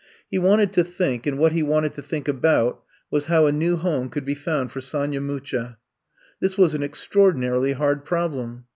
He wanted to think, and what he wanted to think about was bow a new home could be found for Sonya Mucha. This was an extraordinarily hard problem.